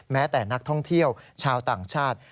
แม้แต่นักท่องเที่ยวชาวต่างชาติ